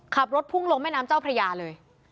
ขับรถพุ่งลงแม่น้ำเจ้าพระยาเลย